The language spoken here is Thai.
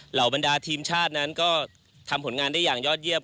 เหล่าบรรดาทีมชาตินั้นก็ทำผลงานได้อย่างยอดเยี่ยม